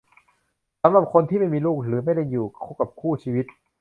สำหรับคนที่ไม่มีลูกหรือไม่ได้อยู่กับคู่ชีวิต